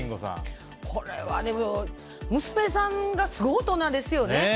これはでも娘さんがすごい大人ですよね。